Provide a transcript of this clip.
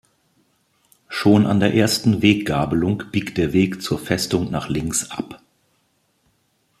Schon an der ersten Weggabelung biegt der Weg zur Festung nach links ab.